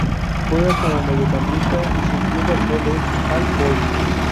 Juega como mediocampista y su club actual es All Boys.